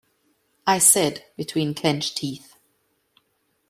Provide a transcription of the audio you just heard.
I said, between clenched teeth.